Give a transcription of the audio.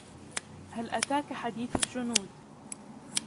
هل أتاك حديث الجنود